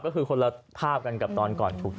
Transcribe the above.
ก็คือคนละภาพกันกับตอนก่อนถูก